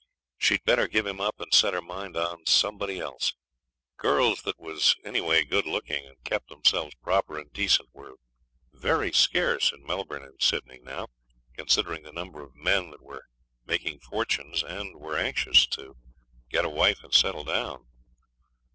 She'd better give him up and set her mind on somebody else. Girls that was anyway good looking and kept themselves proper and decent were very scarce in Melbourne and Sydney now, considering the number of men that were making fortunes and were anxious to get a wife and settle down.